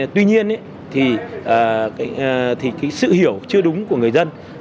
tuy nhiên sự hiểu chưa đúng của người dân